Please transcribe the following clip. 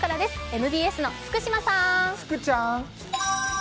ＭＢＳの福島さん！